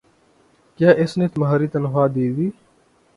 ۔کیا اس نے تمہار تنخواہ دیدی؟